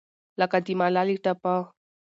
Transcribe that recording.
لکه د ملالې ټپه